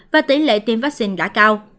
và tỷ lệ tiêm vaccine đã cao